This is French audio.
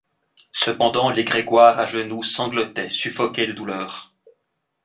Cependant, les Grégoire, à genoux, sanglotaient, suffoquaient de douleur.